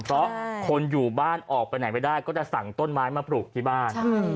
เพราะคนอยู่บ้านออกไปไหนไม่ได้ก็จะสั่งต้นไม้มาปลูกที่บ้าน